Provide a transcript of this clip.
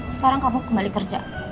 sekarang kamu kembali kerja